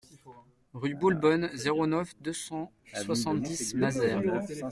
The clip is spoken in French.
Rue Boulbonne, zéro neuf, deux cent soixante-dix Mazères